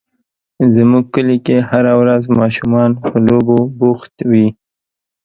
زموږ کلي کې هره ورځ ماشومان په لوبو بوخت وي.